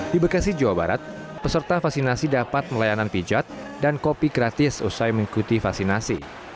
di bekasi jawa barat peserta vaksinasi dapat melayanan pijat dan kopi gratis usai mengikuti vaksinasi